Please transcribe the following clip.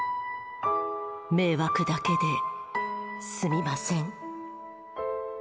迷惑だけですみません。